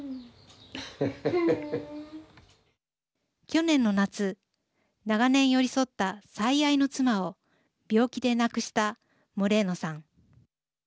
去年の夏長年寄り添った最愛の妻を病気で亡くしたモレーノさん。